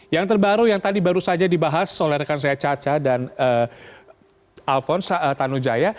yang terbaru yang tadi baru saja dibahas oleh rekan saya caca dan alphonse tanujaya